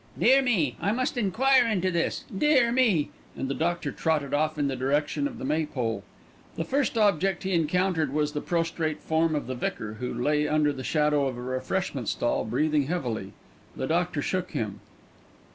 "Dear me! I must enquire into this. Dear me!" And the doctor trotted off in the direction of the maypole. The first object he encountered was the prostrate form of the vicar, who lay under the shadow of a refreshment stall, breathing heavily. The doctor shook him.